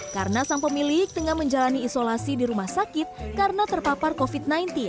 karena sang pemilik tengah menjalani isolasi di rumah sakit karena terpapar covid sembilan belas